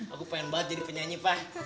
aku pengen banget jadi penyanyi pak